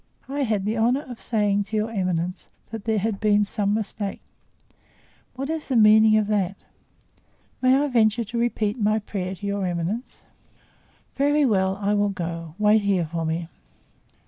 "I had the honor of saying to your eminence that there had been some mistake." "What is the meaning of that?" "May I venture to repeat my prayer to your eminence?" "Very well; I will go. Wait here for me."